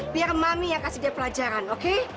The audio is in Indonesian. biar mami yang kasih dia pelajaran oke